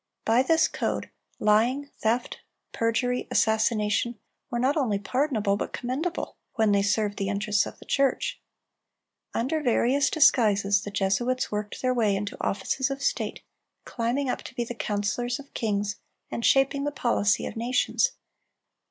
By this code, lying, theft, perjury, assassination, were not only pardonable but commendable, when they served the interests of the church. Under various disguises the Jesuits worked their way into offices of state, climbing up to be the counselors of kings, and shaping the policy of nations.